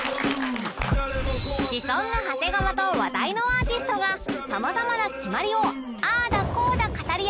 シソンヌ長谷川と話題のアーティストが様々なキマリをあだこだ語り合うこの番組